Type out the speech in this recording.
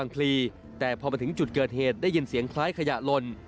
มีไม่ดีจืกลงใจยังไม่พบจริง